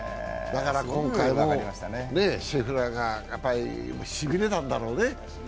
だから今回シェフラーが、しびれたんだろうね。